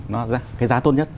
nó ra cái giá tốt nhất